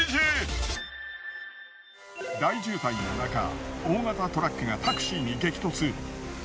大渋滞のなか大型トラックがタクシーに激突。